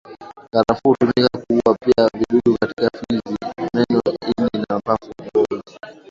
Karafuu hutumika kuua pia vidudu katika fizi meno ini na mapafu ngozi